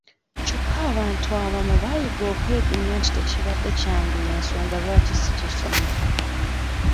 Kyokka abantu abamu baayiga okwegumya nti tekibadde kyange y'ensonga lwaki si kifunye.